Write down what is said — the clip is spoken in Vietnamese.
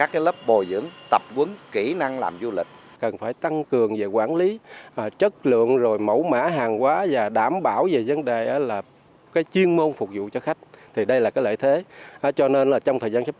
sản phẩm du lịch thứ ba là sản phẩm du lịch thứ ba là sản phẩm du lịch thứ ba